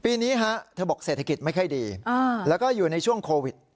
ปีนี้ฮะเธอบอกเศรษฐกิจไม่ค่อยดีแล้วก็อยู่ในช่วงโควิด